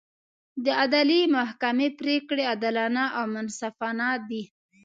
د عدلي محکمې پرېکړې عادلانه او منصفانه دي.